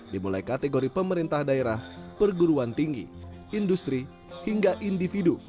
dimulai kategori pemerintah daerah perguruan tinggi industri hingga individu